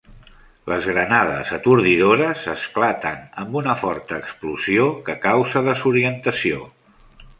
Les granades atordidores esclaten amb una forta explosió que causa desorientació.